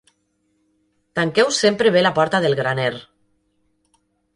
Tanqueu sempre bé la porta del graner.